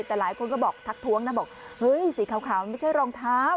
แต่หลายคนก็บอกทักท้วงนะบอกเฮ้ยสีขาวมันไม่ใช่รองเท้า